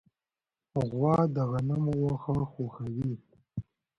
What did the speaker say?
غوا د غنمو واښه خوښوي.